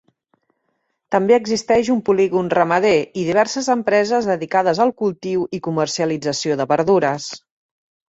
També existeix un polígon ramader, i diverses empreses dedicades al cultiu i comercialització de verdures.